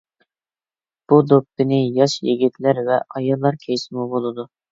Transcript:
بۇ دوپپىنى ياش يىگىتلەر ۋە ئاياللار كىيسىمۇ بولىدۇ.